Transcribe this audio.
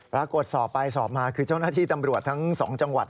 สอบไปสอบมาคือเจ้าหน้าที่ตำรวจทั้ง๒จังหวัด